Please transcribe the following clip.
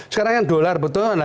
sekarang yang dollar betul